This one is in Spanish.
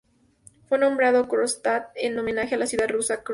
Fue nombrado Kronstadt en homenaje a la ciudad rusa Kronstadt.